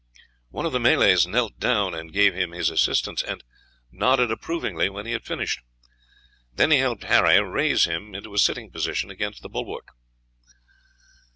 One of the Malay's knelt down and gave him his assistance, and nodded approvingly when he had finished; then he helped Harry raise him into a sitting position against the bulwark.